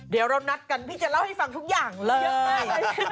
เดี๋ยวเรานัดกันพี่จะเล่าให้ฟังทุกอย่างเลย